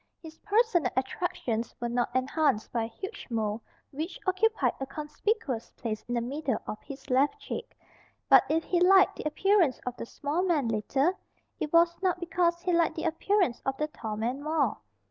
His personal attractions were not enhanced by a huge mole which occupied a conspicuous place in the middle of his left cheek. But if he liked the appearance of the small man little, it was not because he liked the appearance of the tall man more.